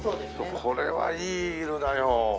これはいい色だよ。